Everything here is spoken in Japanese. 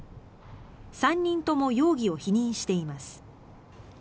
３人とも容疑を否認しています。